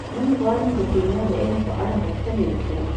نن غواړم د کیمیا د علم په اړه پوښتنې وکړم.